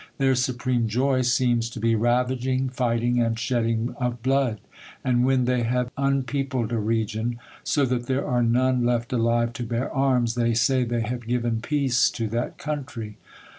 Their supreme joy seems to be ravaging, fighting, and shedding of blood ; and when they have unpeopled a region, so that there are none left alive to bear arms, they say they have given peace to that country.